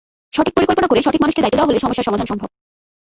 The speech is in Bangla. সঠিক পরিকল্পনা করে সঠিক মানুষকে দায়িত্ব দেওয়া হলে সমস্যার সমাধান সম্ভব।